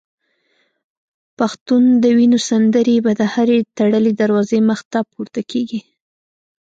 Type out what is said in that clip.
پښتون د وینو سندري به د هري تړلي دروازې مخته پورته کیږي